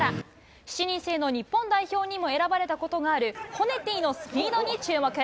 ７人制の日本代表にも選ばれたことがある、ホネティのスピードに注目。